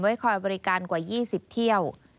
คอยบริการกว่า๒๐เที่ยว